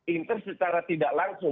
inter secara tidak langsung